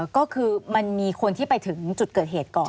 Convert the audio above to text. ก็คือมันมีคนที่ไปถึงจุดเกิดเหตุก่อน